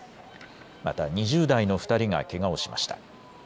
また２０代の２人がけがをしました。